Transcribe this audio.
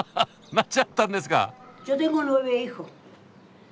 なっちゃったんですか！